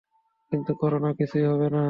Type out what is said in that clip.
চিন্তা করো না, কিছুই হবে না।